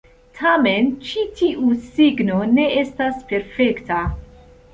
Tamen, ĉi tiu signo ne estas perfekta.